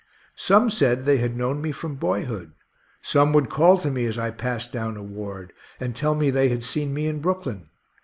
Some said they had known me from boyhood. Some would call to me as I passed down a ward, and tell me they had seen me in Brooklyn.